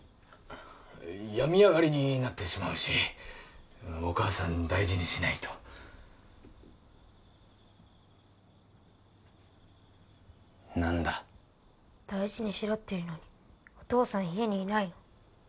病み上がりになってしまうしお母さん大事にしないと何だ大事にしろって言うのにお父さん家にいないの？